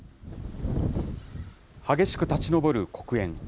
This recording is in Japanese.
激しく立ち上る黒煙。